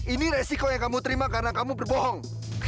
ini resiko yang kamu terima karena kamu berbohong